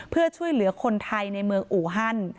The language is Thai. เพื่อช่วยเหลือคนไทยในเมืองอูฮัน